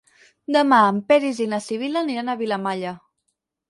Demà en Peris i na Sibil·la aniran a Vilamalla.